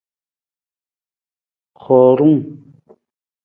Huurung.